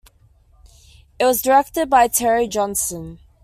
It was directed by Terry Johnson.